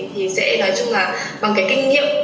thì sẽ nói chung là bằng cái kinh nghiệm